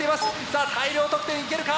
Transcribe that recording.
さあ大量得点いけるか？